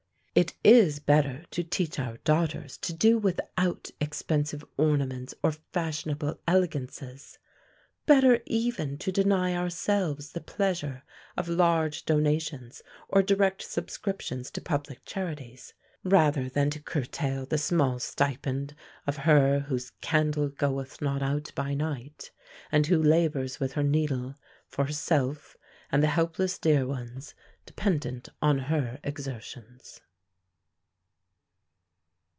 It is better to teach our daughters to do without expensive ornaments or fashionable elegances; better even to deny ourselves the pleasure of large donations or direct subscriptions to public charities, rather than to curtail the small stipend of her whose "candle goeth not out by night," and who labors with her needle for herself and the helpless dear ones dependent on her exertions.